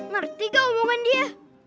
ngerti gak omongan dia